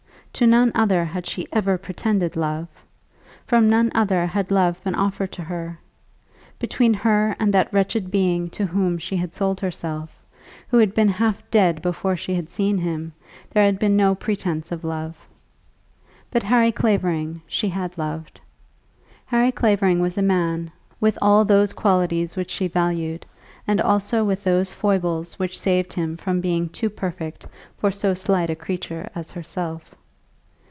To none other had she ever pretended love. From none other had love been offered to her. Between her and that wretched being to whom she had sold herself, who had been half dead before she had seen him, there had been no pretence of love. But Harry Clavering she had loved. Harry Clavering was a man, with all those qualities which she valued, and also with those foibles which saved him from being too perfect for so slight a creature as herself.